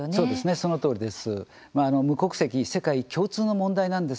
そのとおりです。